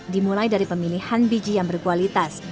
dimulai dari pemilihan biji yang berkualitas